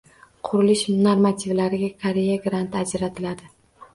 Qurilish normativlariga Koreya granti ajratiladi